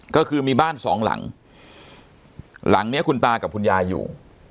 ก็คือมีบ้านสองหลังหลังเนี้ยคุณตากับคุณยายอยู่